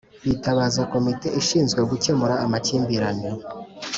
bitabaza Komite ishinzwe gukemura amakimbirane